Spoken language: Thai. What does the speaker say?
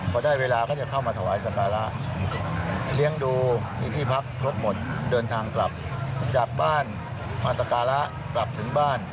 พอได้เวลาก็จะเข้ามาถวายสการะเลี้ยงดูมีที่พักรถหมดเดินทางกลับจากบ้านมาสการะกลับถึงบ้าน